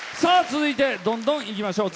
続いて、どんどんいきましょう。